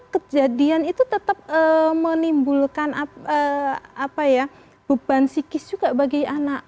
kejadian itu tetap menimbulkan beban psikis juga bagi anak